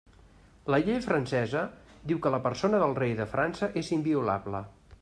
La llei francesa diu que la persona del rei de França és inviolable.